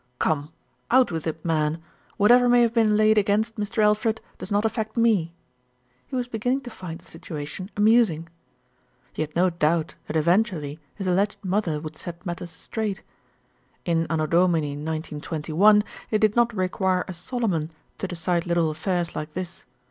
"Come, out with it, man ! Whatever may have been laid against Mr. Alfred, does not affect me," he was beginning to find the situation amusing. He had no doubt that eventually his alleged mother would set matters straight. In anno domini 1921 it did not require a Solomon to decide little affairs like this.